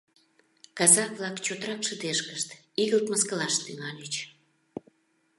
Казак-влак чотрак шыдешкышт, игылт мыскылаш тӱҥальыч.